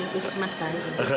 khusus mas bayu